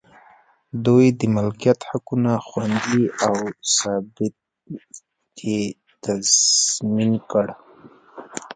دوی د مالکیت حقونه خوندي او ثبات یې تضمین کړ.